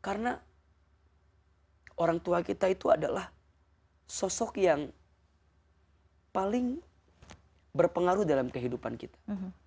karena orang tua kita itu adalah sosok yang paling berpengaruh dalam kehidupan kita